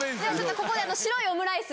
ここで白いオムライス